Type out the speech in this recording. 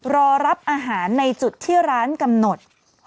รอรับอาหารในจุดที่ร้านกำหนด